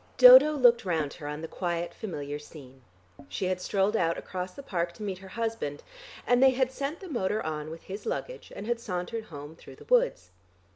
Dodo looked round her on the quiet familiar scene. She had strolled out across the park to meet her husband, and they had sent the motor on with his luggage and had sauntered home through the woods.